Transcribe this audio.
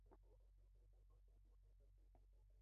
Kiongozi ameshinda tuzo kubwa sana